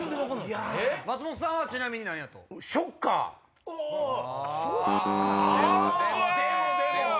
松本さんはちなみに何やと？うわ！